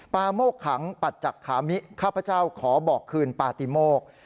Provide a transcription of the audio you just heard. โมกขังปัจจักรขามิข้าพเจ้าขอบอกคืนปาติโมก